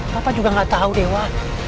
papa juga tidak tahu dewa